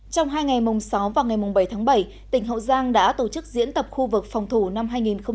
trong hai ngày mùng sáu và ngày mùng bảy tháng bảy tỉnh hậu giang đã tổ chức diễn tập khu vực phòng thủ năm hai nghìn một mươi chín